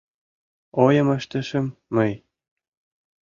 — Ойым ыштышым мый.